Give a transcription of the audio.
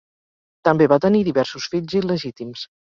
També va tenir diversos fills il·legítims.